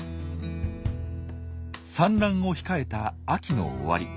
産卵を控えた秋の終わり。